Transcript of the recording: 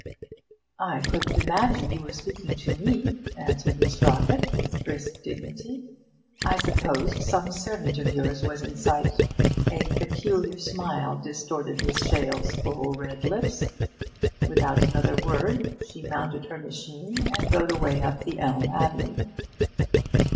'I couldn't imagine you were speaking to me,' answered Miss Rockett, with brisk dignity. 'I supposed some servant of yours was in sight.' A peculiar smile distorted Miss Shale's full red lips. Without another word she mounted her machine and rode away up the elm avenue.